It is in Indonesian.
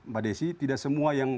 mbak desi tidak semua yang